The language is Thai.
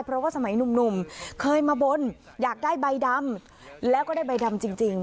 เพราะว่าสมัยหนุ่มเคยมาบนอยากได้ใบดำแล้วก็ได้ใบดำจริง